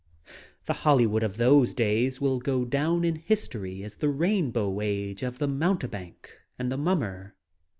The Hollywood of those days will go down in history as the Rainbow Age of the mountebank and the mummer.